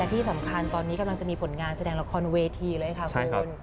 ที่สำคัญตอนนี้กำลังจะมีผลงานแสดงละครเวทีเลยค่ะคุณ